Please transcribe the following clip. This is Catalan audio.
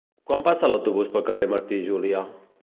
Quan passa l'autobús pel carrer Martí i Julià?